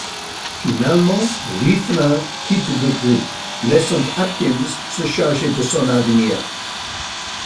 Finalement, Rieflin quitte le groupe, laissant Atkins se charger de son avenir.